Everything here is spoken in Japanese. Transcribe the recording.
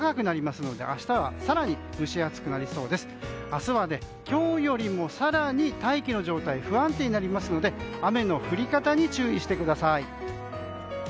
明日は、今日より更に大気の状態が不安定になるので雨の降り方に注意してください。